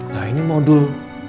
nah ini modul